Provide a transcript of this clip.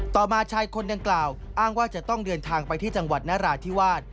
มาชายคนดังกล่าวอ้างว่าจะต้องเดินทางไปที่จังหวัดนราธิวาส